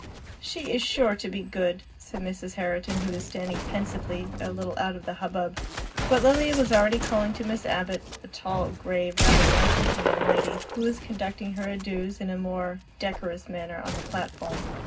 "She is sure to be good," said Mrs. Herriton, who was standing pensively a little out of the hubbub. But Lilia was already calling to Miss Abbott, a tall, grave, rather nice looking young lady who was conducting her adieus in a more decorous manner on the platform.